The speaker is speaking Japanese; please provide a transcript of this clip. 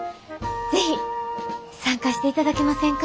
是非参加していただけませんか？